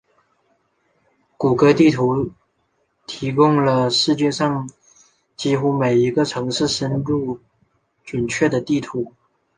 谷歌地图提供了世界上几乎每一个城市深入准确的地图。